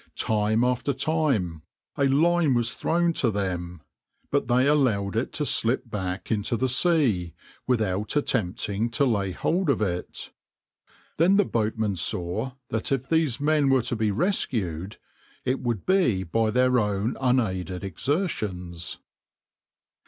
Time after time a line was thrown to them, but they allowed it to slip back into the sea, without attempting to lay hold of it. Then the boatmen saw that if these men were to be rescued, it would be by their own unaided exertions.